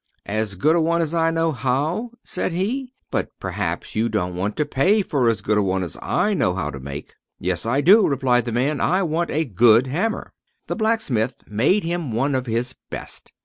"As good a one as I know how?" said he. "But perhaps you don't want to pay for as good a one as I know how to make." "Yes, I do," replied the man; "I want a good hammer." The blacksmith made him one of his best.